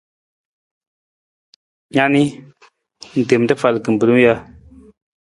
Na ni, ng tem rafal kimbilung ja?